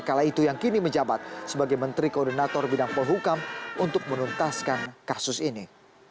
kala itu yang kini menjabat sebagai menteri koordinator bidang polhukam untuk menuntaskan kasus ini